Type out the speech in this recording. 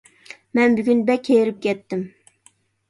مەن بۈگۈن بەك ھېرىپ كەتتىم.